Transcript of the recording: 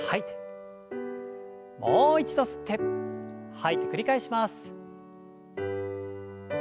もう一度吸って吐いて繰り返します。